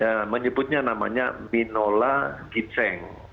ya menyebutnya namanya minola giseng